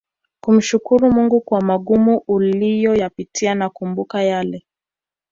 kumshukru Mungu kwa magumu uliyoyapitia na kukumbuka yale